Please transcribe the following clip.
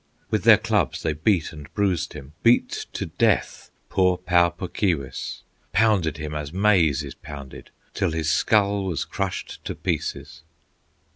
With their clubs they beat and bruised him, Beat to death poor Pau Puk Keewis, Pounded him as maize is pounded, Till his skull was crushed to pieces.